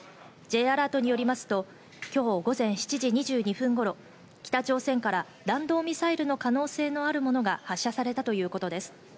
Ｊアラートによりますと今日、午前７時２２分頃、北朝鮮から弾道ミサイルの可能性のあるものが発射されたということです。